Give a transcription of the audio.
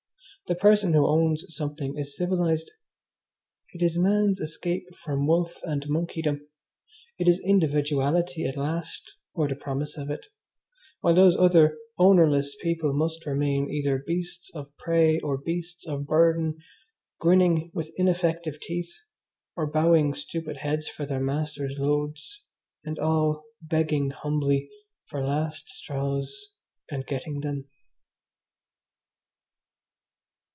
The person who owns something is civilised. It is man's escape from wolf and monkeydom. It is individuality at last, or the promise of it, while those other ownerless people must remain either beasts of prey or beasts of burden, grinning with ineffective teeth, or bowing stupid heads for their masters' loads, and all begging humbly for last straws and getting them.